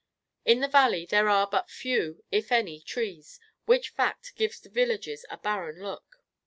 In the valley, there are but few, if any, trees, which fact gives the villages a barren look.